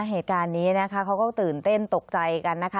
เหตุการณ์นี้นะคะเขาก็ตื่นเต้นตกใจกันนะคะ